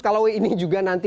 kalau ini juga nanti